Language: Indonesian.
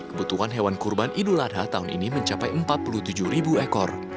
kebutuhan hewan kurban idul adha tahun ini mencapai empat puluh tujuh ribu ekor